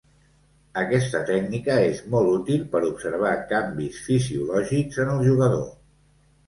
Aquesta tècnica és molt útil per observar canvis fisiològics en el jugador.